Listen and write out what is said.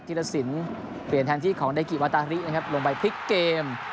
รสินเปลี่ยนแทนที่ของเดกิวาตารินะครับลงไปพลิกเกม